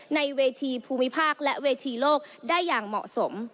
ในเวทีภูมิภาคและเวทีโลกได้อย่างเหมาะสม